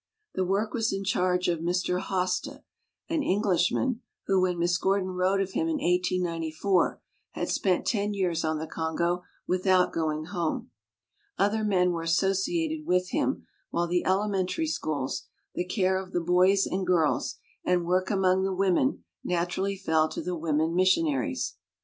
The work was in charge of Mr. Hoste, an English man, who, when Miss Gordon wrote of him in 1894, had spent ten years on the Congo without going home. Other men were as sociated with him, while the elementary schools, the care of the boys and girls, and work among the women, naturally fell to the women missionaries.